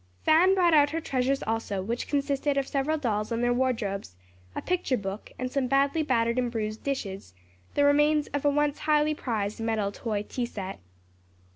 Fan brought out her treasures also, which consisted of several dolls and their wardrobes, a picture book and some badly battered and bruised dishes; the remains of a once highly prized metal toy tea set.